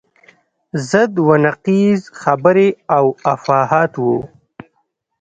ضد و نقیض خبرې او افواهات وو.